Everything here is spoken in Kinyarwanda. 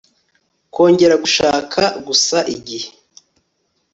kongera gushaka gusa igihe